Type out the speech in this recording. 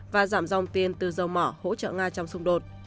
và giảm dòng tiền từ dầu mỏ hỗ trợ nga trong xung đột